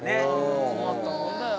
困ったもんだよ。